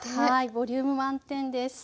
ボリューム満点です。